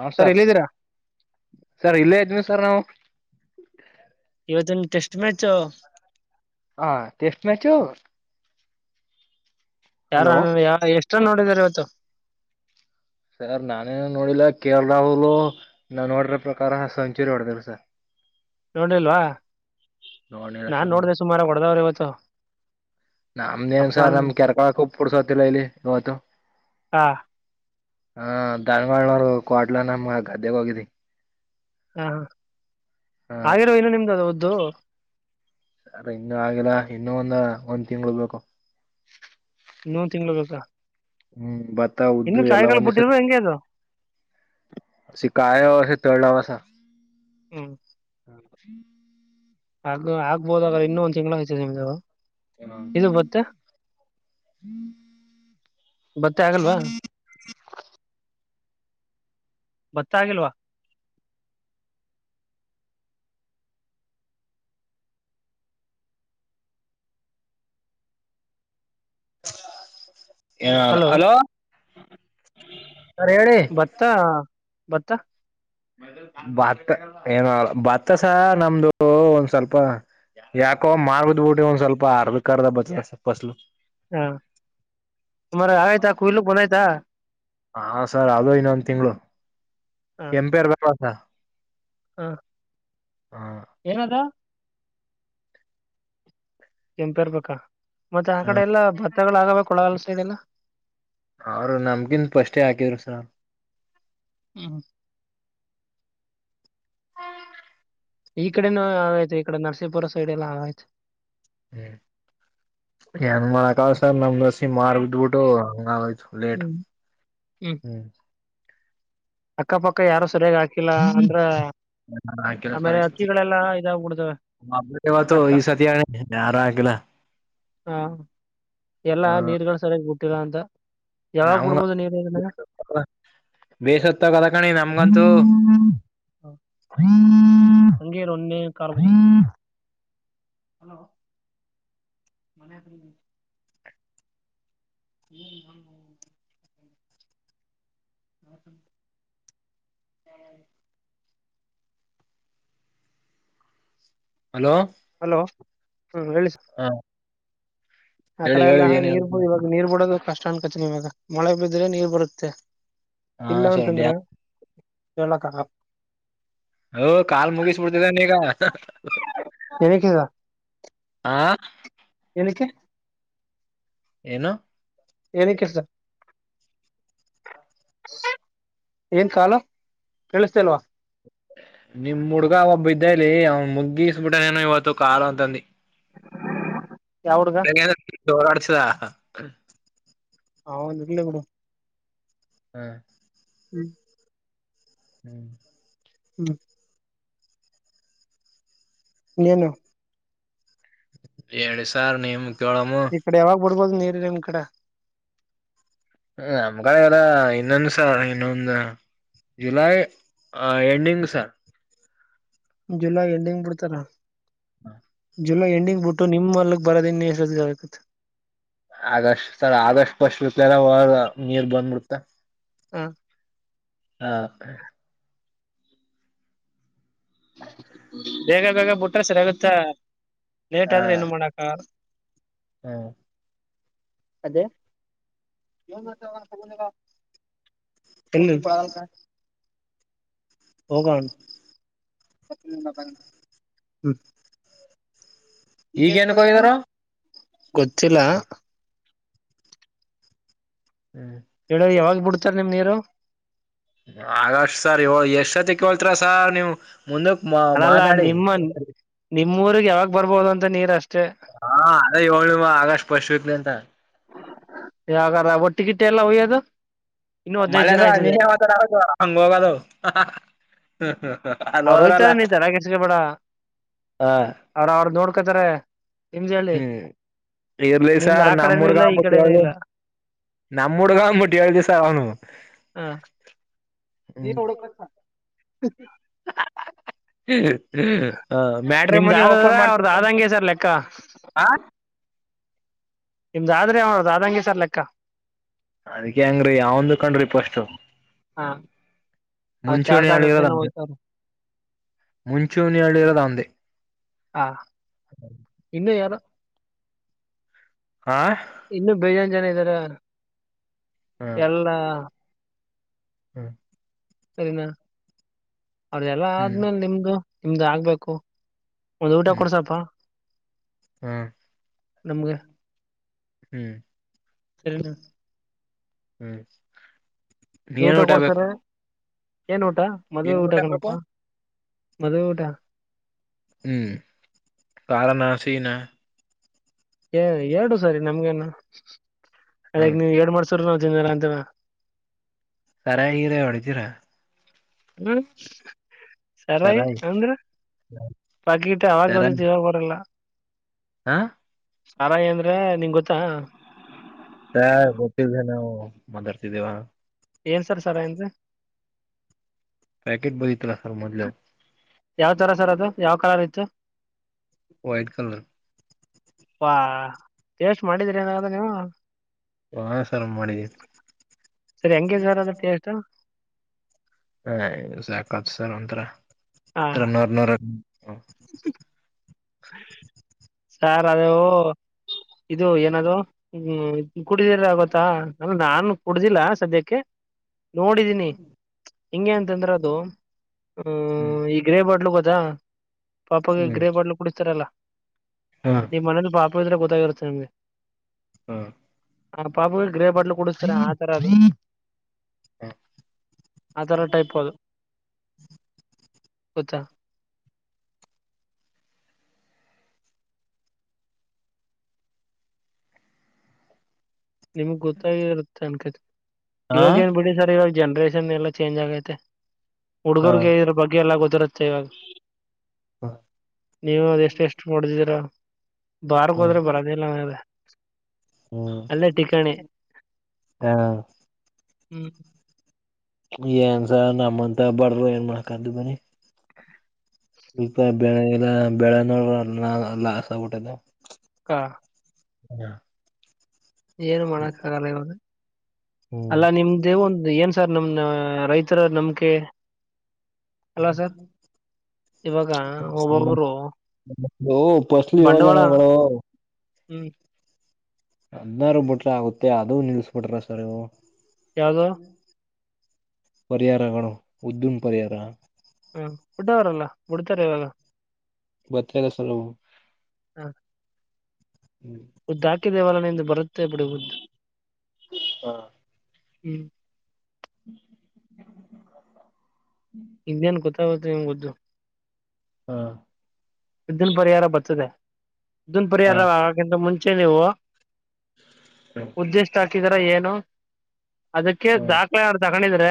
ಹಾ sir sir ಇಲ್ಲೇ ಇದ್ವಿ ಸರ್ ನಾವು [unintelligible] ೆಸ್ಟ್ ಮ್ಯಾಚ್ ಹ ಟೆಸ್ಟ್ ಮ್ಯಾಚ್ ಹ ಯಾರ ಎಷ್ಟ ನೋಡಿದಾರ ಇವತ್ತು ಸರ್ ನಾನೇನು ನೋಡಿಲ್ಲ ಕೇರಳ ಅವುರು ನನ್ ನೋಡ್ರ ಪ್ರಕಾರ ಸಂಚುರಿ ಹೊಡದೇ್ರ ಸರ್ ನೋಡ್ರಿಲ್ವಾ ನೋಡಿಲ್ಲ ನಾನ್ ನೋಡ್ದ ಸುಮಾರ ಕೊಡದವ್ರರು ಇವತ್ತು ಕುತ್ತ [unintelligible] ನಮ್ದೇನ್ಸರ್ ನಮ್ ಕೆರ್ಕಳಕ್ ಉಪ್ಪ ಕುಡ್ಸೋತಿಿಲ್ಲ ಇಲ್ಲಿ ಇವತ್ತು [unintelligible] ಹ ಧನ್ವಾಡನವರು ಕಡ್ಲ ನಮ್ಮ ಗದ್ದೆೆಗೆ ಹೋಗಿದಿ ಹಾ ಹ ಆಿರೋ ಇಲ್ಲ ನಿಮ್ದ ಒ ದು ಸರಿ ಇನ್ನುೂ ಆಗಿಲ್ಲ ಇನ್ನುೂ ಒಂದ ಒಂದ್ ತಿಂಗಳ ಬೇಕು ಏನೋ ಒಂದು ತಿಂಗಳು ಬೇಕಾ ಹ್ಮ್ ಬ ಇನ್ನುೂ ಚಾಯಿಗಳು ಬಿಟ್ಟಿದ್ರು ಹೆಂಗ ಅದು ಿ ಕಾಯ ಅೆ ತಳಲಸ ಹ್ಮ್ ಕ್ಷ ಹ ಆಗ್ಬೋದ್ರ ಇನ್ನೊಂದ್ ತಿಂಗಳ ಆ ಸರಿ ಹ ಹ್ಮ ಹ್ಮ ಭತ್ತ ಆಾಗಿಲ್ವಾ ಯ ಹಲೋ ಸರ್ ಹೇಳಿ ಬತ್ತ ಬತ್ತಾ ಭತ್ತ ಏನ ಭತ್ತಸ ನಮ್ದು ಒಂದ್ ಸ್ವಲ್ಪ ಯಾಕೋ ಮಾರ್ದ್ಬಿಟ್ಟು ಒಂದ್ ಸ್ವಲ್ಪ ಅರ್ಧಕ್ರ್ಧ ಭತ್ತಸ ಫಸ್ಲು ಹಾ ಅರ ಆತಾ ಕಯಲು ಬನಾಯತಾ ಹಾ ಸರ್ ಅದು ಇನ್ನೊಂದು ತಿಂಗಳು ಕೆಂಪೇರ್ ಬ ಹಾ ಹಾ ಏನದ ಕೆಂಪೆ ಇರ್ಬೇಕಾ ಮತ್ತೆ ಆ ಕಡೆ ಎಲ್ಲಾ ಆಗಬೇಕ ಒಳಗಲ್ಸ ಇದೆಲ್ಲ ಅವ್ರ ನಮಗಿನ್ ಫಷ್ಟೇ ಹಾಕಿದ್ರು ಸರ್ ಈ ಕಡೆನ ಯಯ್ತು ಈ ಕಡೆ ನರ್ ಬರ ಸ ಇೈಡೆಲ್ಲ ಹ ಹ್ಮ್ ನ್ ಮಾಡಕಸರ್ ನಮ ದಸಿ ಮಾರ್ ಬಿದ್ಬಿಟ್ಟು ಹಂಗ ಲೇಟ್ ಹ್ಮ್ ಅಕ್ಕ ಪಕ್ಕ ಯಾರು ಸರಿಯಾಗಿ ಹಾಕ ಿಲ್ಲ ಅಂದ್ರೆ ಲ್ಲ ಸವತ್ತು ಈ ಸಾ ಆ ಆರ ಆಕಲ್ಲ ಎಲ್ಲಾ ನೀರುಗಳು ಸರಿ ಹುಟ್ಟಿಲ್ಲ ಅಂತ ಯಾರ ನಮ್ಗ ಬಿಡ್ಬೋದ ನೀರು ಬೇಸತ್ತಾಗದ ಕಣಿ ನಮ್ಗಂತೂ ಹಂಗ ಒನ್ನೆ ಕಾರಾರ್ಬ ಹಲೋ ಮನೆ ಹ್ಮ್ ಹ್ಮ ಹ್ಮ ಹ್ಮ ಹ್ಮ ಹಲೋ ಹಲೋ ಹ್ಮ್ ಹೇಳಿ ಸರ್ ಹ ಆ ಹೇಳಿ ಕಡೆ ಎಲ್ಲ ಹೇಳಿ ಏನ್ ನೀರ್ ಹೇಳ್ತ ಇವಾಗ ನೀರ್ ಬಿಡೋದು ಕಷ್ಟಂಡ್ ಕಚನಿ ಇವಾಗ ಮಳೆ ಬಿದ್ರೆ ನೀರ್ ಬರುತ್ತೆ ಹಾ ಸರ್ ಅಡಿಯಾ ಕೆಳಗಾಗ ಸ ಎನಗೆದಾ ಹ ಏನಿಕೆ ಏನು ಏನೇನು ಕೆಲಸ ಏನ್ ಕಾಲು ಕೇಳಿಸತಲ್ವಾ ನಿಮ್ ಹುಡ್ಗ ಒಬ್ ಇದ್ದೇಲಿ ಅವನ್ ಮುಗ್ಗೀಿಸಬಿಟ್ಟಾನೇನು ಇವತ್ತು ಕಾಳು ಅಂತಂದು ಎ ಚೋರ ಅಡಚದಾ [inaudible] ಅವನ ಇರ್ಲಿ ಬಿಡು ಹ್ಮ್ [inaudible] ಹ್ಮ್ [unintelligible] ನೀನು ಹೆಲಿ ಸಾರ್ ನಿಮ ಕೆಲ್ಲಮ್ಮ ನೋಡ್ಬೋದು ನೀರಿ ಇರ ನಿಮ್ ಕಡೆ ನಮ್ಗಡೆ ಎಲ್ಲ ಇನ್ನೊಂದು ಸರ್ ಇನ್ನೊಂದು July ending sir July ending ಬಿಡ್ತಾರ ಜುಲೈ ಎಂಡಿಂಗ್ ಬಿಟ್ಟು ನಿಮ್ ಮಲ್ ಬರೋದು ಇನ್ನು ಎಷ್ಟ್ ದಿನ ಆಗುತ್ತೆ August sir August first sir ನೀರ್ ಬಂದ್ಬಿಡ್ತ ಹಾ ಹಾ ಬೇಗ ಬೇಗ ಬಿಟ್ರ ಸರಿಯಾಗುತ್ತ ಲೇಟ್ ಆದ್ರೆ ಏನ್ ಮಾಡಾಕ ಹ್ಮ ಅದೇಗ ಇಲ್ಲಿ ಇಲ್ಲಪ್ಪ ಹೋಗೋಣ ಹ್ಮ್ [inaudible] ಈಗ ಏನಕ್ಕೆ ಹೋಗಿದ್ರು ಗೊತ್ತಿಲ್ಲ ಹ್ಮ್ ಹೇಳ್ರ ಯಾವಾಗ ಬಿಡ್ತಾರ ನಿಮ್ ನೀರು ಆಗಷ್ಟ ಸರ್ ಇ ಎಷ್ಟ್ತಿ ಕೇಳ್ತೀರಾ ಸರ್ ನೀವು ಮುಂದಕ್ ಮಾ ಮಾತಾಡಿ ನಿಮ್ಮ ಊರಿಗೆ ಯಾವಾಗ ಬರ್ಬಹುದು ಅಂತ ನೀರ ಅಷ್ಟೆ ಹಾ ಅದ ಹೇಳುವ ಆಗಸ್ಟ್ ಫಸ್ಟ್ ವೀಕ್ ಇಂದ ಯಾವಾಗಾರ ಬಟ್ಟೆ ಗಿಟ್ಟೆ ವಯ್ಯುವುದು ಮಲಸ ನಿಶೇ ಮಾತ ನ ಹಂಗೋಗಾದ ಅವ್ರು ಹೋಯ್ತಾರೆ ನೀ ತಡ ಕೆಸಗೆ ಬೇಡ ಹ ಅವ್ರ ಅವ್ರ ನೋಡ್ ತರೆ ಹ್ಮ್ ಇರ್ಲಿ ಸಾರ್ ನಮ್ಮ ಹುಡ್ಗ ಆಂದಬಿಟ್ಟು ಹೇಳ್ದ ನಮ್ಮ ಹುಡ್ಗ ಆನ್ಬಿಟ್ಟು ಹೇಳ್ದ ಸರ್ ಅವನು ನೀ ಹ್ಮ್ ಳಕಣ ಹ ಹ್ಮ ಮ್ಯಾಡ್ರಿ ಮನಿ ಓಪನ್ ಮಾಡ್ತ ನಿಮ್ದ ಆದ್ರೆ ಅವ ಆದಂಗಗೆ ಸರ್ ಲೆಕ್ಕ ಅದಕ್ಕೆ ಹೆಂಗ್ರೀ ಯಾವಂದು ಕಣ್ರಿ ಪಸ್ಟು ಮುಂಚೂಣಿಳಿಗಳ ತಂದೆ ಮುಂಚೂಣಿಯಳಗಳ ನಂಧೆ ಹಾ ಇನ್ನು ಬೇಜನ್ ಜನ ಇದ್ದಾರೆ ಎಲ್ಲ ಹ್ಮ್ ಸರಿನಾ ಅವ್ರ್ದ ಎಲ್ಲಾ ಹ್ಮ್ ಆದ್ಮೇಲೆ ನಿಮ್ದು ನಿಮ್ದು ಆಗ್ಬೇಕು ಒಂದು್ ಊಟ ಹ್ಮ್ ಹ್ಮ್ ಕೊಡ್ಸಪ್ಪ ನಮಗೆ ಹ್ಮ್ ಹ್ಮ್ ಊಟ ಏನ್ ಬೇಕು ಕೊಡ್ತಾರೆ ಏನ್ ನೋಟ ಊಟಾ ಮದ್ುವೆ ಏನ್ ಊಟ ಬೇಕು ಊಟಕಣಪ್ಪಾ ಮದ ಊಟಾ ಹ್ಮ್ ಕಾರಣಸೀನಾ ಹ ಎರಡು ಸರಿ ನಮ್ಗನ [inaudible] ಅದ ಹ್ಮ್ ನೀವ್ ಎರಡ್ ಮಾಡ್ಸ್ರ ಿಂದ ರಂತ ಸರಾಗಿಿರ ಹೊಡಿತೀರಾ ಹ್ಮ ಸರಾಇ ಸರಾಯಿ ಅಂದ್ರ ಪಕಗಿಟ್ಟ ಅವಾಗ ಬದ ಸರಾಯಿ ಇವಾಗ ಬರಲ್ಲ ಹಾ ಸಾರಾಇ ಅಂದ್ರೆ ನಿಂಗ ಗೊತ್ತಾ ಸರ್ ಗೊತ್ತಿಲ್ದೆನೆ ಮಾತಾಡ್ತಿದ್ದೀಯಾ ಏನ್ ಸರ್ ಸಾರೈ ಅಂದ್ರೆ ಪ್ಯಾಕೆಟ್ ಬದತ್ರಾ ರ್ಮದಲ [unintelligible] ಯಾವ ತರ ಸರ್ ಅದು ಯಾವ ಕಲರ್ ಇತ್ತು ವೈಟ್ ಕಲರ್ ವಾ ಟೇಸ್ಟ್ ಮಾಡಿದ್ರಿ ಏನಾದ್ರ ನೀವು ಹಾ ಸರ್ ಮಾಡಿದೀವಿ ಸರಿ ಹೆಂಗಾರ ಅದ್ರ ಟೇಸ್ಟ್ ಹ ಸಾಕತ್ ಸರ್ ಒಂಥರ ಇ ನೂರ ನೊರೆ ಸರ್ ಅದು ಇದು ಏನಾದ ಹ್ಮ್ ಕುಡಿದಿದೆ ಆಗತ್ತಾ ಅ ನಾನು ಕುಡ್ದಿಲ್ಲ ಸದ್ಯಕ್ಕೆ ನೋಡಿದೀನಿ ಹಿಂಗೆ ಅಂತಂದ್ರ ಅದು ಹ್ಮ್ ಹಹ ಈ ಗ್ರೇ ಬಾತ್ಲು ಬ ದಾ [unintelligible] ಪಾಪಗೆ ಹ್ಮ್ ಗ್ರೇ ಬಾಲು ಕುಡಿಸ್ತಾರಲ್ಲಾ ಹಾ ನಿ ಮನಲು ಪಾಪ ್ರೆ ಗೊತ್ತಾಗಿರುತ್ತೆ ನಿಮ್ಗೆ ಹ್ಮ ಆ ಪಾಪಗಳು ಗ್ರೇ ಬಡ್ಲು ಕುಡತನ ಆ ತರ ಅದ ಆಥರ ಟೈಪ್ ಅದು ಗೊತ್ತಾ ನಿಮಗ್ ಗೊತ್ತಾಗಿ ಇರುತ್ತೆ ಅನ್ಕ ಹಾ ಇವಾಗ ಏನ್ ಬಿಡಿ ಸರ್ ಇವಾಗ ಜನ್ರೇಷನ್ ಎಲ್ಲ ಚೇಂಜ್ ಆಗೈತೆ ಹಾ ಹುಡ್ಗರ್ಗೆ ಇದ್ರ ಬಗ್ಗೆ ಎಲ್ಲ ಗೊತ್ತಿರತ್ತೆ ಸವಾಗ [unintelligible] ನೀವು ಅದೆಷ್ಟ ಎಷ್ಟು ಮಾಡ್ದಿದ್ದೀರಾ ಬಾರ್ ಹೋದ್ರೆ ಹ್ಮ್ ಬರೋದಿಲ್ಲಲ್ಲ [inaudible] ಹ್ಮ್ ಅಲ್ಲ ಟಿಕಣೆ ಹಾ ಹ್ಮ್ ಏನ್ಸ ನಮ್ಮಂತ ಬಡರು ಏನ್ ಮಾಡಕ್ದು ಬನ್ನಿ ಈಗ ಬೆಳೆ ಎಲ್ಲ ಬೆಳೆ ನೋಡಾ ಲಾಸಬಿಟ್ಟದವು ಹ್ಮ ಏನು ಮಾಡಕ್ ಆಗಲ್ಲ ಇರದು ಹ್ಮ್ ಅಲ್ಲ ನಿಮ್ದೇವ ಒಂದು ಏನ್ ಸರ್ ನಮ್ ರೈತರ ನಂಬಿಕೆ [inaudible] ಅದು ಪಸ್ಲು ಯೋಜನೆಗಳು ಹ್ಮ್ ಹದ್ನಾರ ಬಿಟ್ರೆ ಆಗುತ್ತೆ ಅದು ನಿಲ್ಸ್ ಬುಟ್ರೆ ಸರ್ ಇವ್ರು ಹ [inaudible] ಪರಿಹಾರಗಳು ಉದ್ದೂಮ್ ಪರಿಯಾರ ಹ್ಮ ಬಿಟ್ಟವ್ರಲ್ಲ ಬುಡ್ತಾರ ಇವಾಗ [unintelligible] ಬತ್ತೇಲ್ಲ ಸಲ್ಲ ಉದ್ದ ಹಾಕಿದೇವಲ್ಲ ನಿಂದು ಬರುತ್ [inaudible] ಮತ್ತ ಬಿಡುಬ ಹಾ ಹ್ಮ್ [inaudible] ಹ ಇನ್ನೇನ್ ಗೊತ್ತಾಗುತ್ತ ನಿಮ್ ಗುದ್ದು ಹಾ ಇದ್ದನ್ ಪರಿಹಾರ ಬತ್ತದೆ ಇದನ್ ಹಾ ಪರಿಹಾರ ಆಗಿಂದ್ ಮುಂಚ್ ಚೆ ನೀವು ಸರಿ ಉದ್ದೇಷ್ಟಕಿದ್ ಅ ಏನು ಅದಕ್ಕೆ ಹ್ಮ ದಾಖಲೆ ಅರ್ದಕ್ ಕಣಿದ್ರ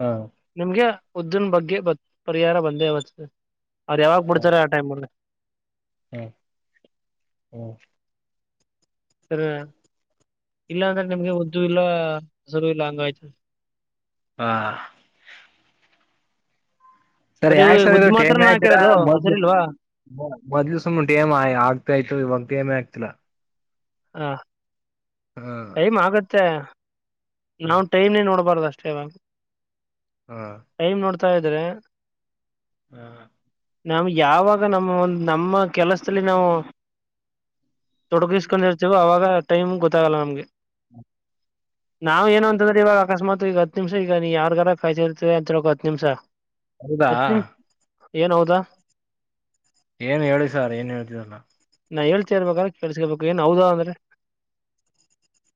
ಹಾ ನಿಮ್ಗೆ ಉದ್ದನ್ ಬಗ್ಗೆ ಬತ್ ಪರಿಹಾರ ಬಂದೇ [unintelligible] ಅವವತ್ತು [unintelligible] ಆ ಟೈಮು ಅಲ್ಲಿ ಹ್ಮ- ಹ್ಮ ರ ಇಲ್ಲಾಂದ್ರೆ ನಿಮ್ಗೆ ಉದ್ದು ಇಲ್ಲ [unintelligible] ಲ್ಲ ಅಂಗಾಯತ ಹಾ ಸರಿ ಯಾಕೆ ಸರ್ ಇದು ಟೇಮ್ಮ್ಆರ ಮದ್ಲು ಮೊದ್ಲು ಸುಮ್ಮ್ ಟೇಮ್ ಆಗ್ತಾಾಯತು ಇವಾಗ ಟೇಮೆ ಆಗ್ತಿರಾ ಹಾ ಹಾ ಟೈಮ್ ಆಗತ್ತೆ ನಾವ್ ಟೈಮ್ನೇ ನೋಡ್ಬಾರ್ದ ಷ್ಟ [inaudible] ಹಾ ಟೈಮ್ ನೋಡ್ತ್ ತಾ ಇದ್ರೆ [inaudible] ನಮ್ ಯಾವಾಗ ನಮ್ಮ ಒಂದು [unintelligible] ನಮ್ಮ ಕೆಲಸಲಿ ನಾವು [unintelligible] ತೊಡಗಿಸ್ಕೊಂಡ್ ಇರ್ತೀವಿ ಅವಾಗ [unintelligible] ಟೈಮ್ ಗೊತ್ತಾಗಲ್ಲ ನಮ್ಗೆ [unintelligible] ನಾವ್ ಏನು ಅಂದ್ರೆ ಇವಾಗ ಅಕಸ್ಮಾತ್ [unintelligible] ಈಗ ಹತ್ ನಿಮಿಷ ಈಗ ನೀ ಯಾರ್ಗಾರ ಕಾಯ್ತಾ ಎರ್ಥನಿ ಅಂತ ಹೇಳ ಹತ್ ನಿಮಿಷ [unintelligible] ಹೌದಾ [unintelligible] ಏನ್ ಹೌದಾ [unintelligible] ಏನ್ ಹೇಳಿ ಸರ್ ಏನ್ ಹೇಳ್ತೀರಲ್ಲ [unintelligible] ಏನ್ ಹೌದಾ ಅಂದ್ರೆ [unintelligible]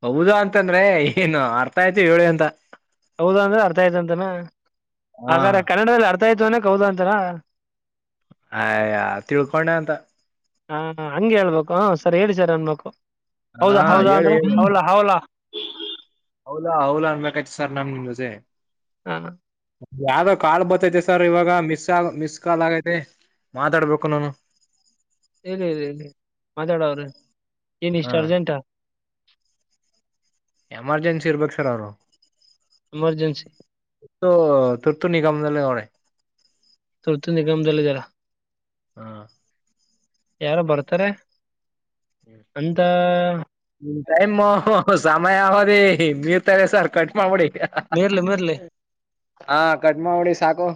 ಹೌದಾ ಅಂತಂದ್ರೆ ಏನು ಅರ್ಥ ಆಯ್ತು ಹೇಳಿ ಅಂತ [unintelligible] ಹೌದ ಅಂದ್ರೆ ಅರ್ಥ ಆಯ್ತಂತನ [unintelligible] ಹಾ ಹಾಗಾದ್ರೆ ಕನ್ನಡದಲ್ಲಿ ಅರ್ [unintelligible] ಆಯ್ತು ಅನಕ್ ಹೌದ ಅಂತಾರ ಹಯಾ ತಿಳ್ಕೊಂಡೆ ಅಂತ ಹಾ ಹಂಗೆ ಹಳ್ಬೇಕು ಹ ಸರ್ ಹೇಳಿ ಸರ್ ಅನ್ಬೇಕು ಹಾ ಹೌದಾ ಹೌದಾ ಹೇಳಿ ಅಂದ್ರೆ ಹೇಳಿ ಹೌಲ ಹೌಲ ಹೌಲಾ ಹೌಲಾ ಅನ್ಬೇಕಾಯ್ತು ಸರ್ ನಾನ್ ನಿಮ್ ಜೋತೆ ಹಾ [inaudible] ಯಾವ್ದೋ ಕಾಲ್ ಬತ್ತೈತೇ ಸರ್ ಇವಾಗ [unintelligible] ಮಿಸಾ ಮಿಸಕಾಲಾಗ [unintelligible] ಮಾತಾಡ್ಬೇಕು ನಾನು [unintelligible] ಇದೆ ಇದೆ ಇ [unintelligible] ಮಾತಾಡ ಅವರು [unintelligible] ಎನ್ ಹ ಈಷ್ಟರ್ಜೆಂಟ [unintelligible] ಎಮರ್ಜೆನ್ಸಿ ಇರ್ಬೇಕು ಸರ್ ಅವರು [unintelligible] [inaudible] ತರ್ತು ನಿಗಮನಲ್ಲನೋಣೆ [unintelligible] ತರ್ತು ನಿಗಮ ದಲ್ಲ ಇದಲ [unintelligible] ಹಾ [unintelligible] ನಿನ್ ಟೇಮ್ಯು [unintelligible] ಮ ಅವ ಮರ್ತಾರೆ ಸರ್ ಕಟ್ ಮಾಡಬುಡಿ ಮೇರ್ಲೆ ಮೇರ್ಲೆ [unintelligible] ಹಾ ಕಟಮಾಡಿಬಿಡಿ ಸಾಕು